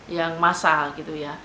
yang massal gitu ya